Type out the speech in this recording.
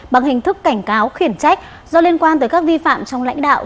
bằng hình thức cảnh cáo khiển trách do liên quan tới các vi phạm trong lãnh đạo